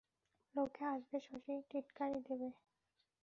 লোকে হাসবে শশী, টিটকারি দেবে।